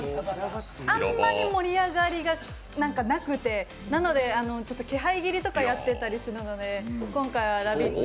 あんまり盛り上がりがなくて、なので、気配斬りとかやってたりするので、今回はラヴィット！